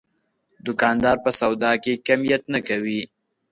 دوکاندار په سودا کې کمیت نه کوي.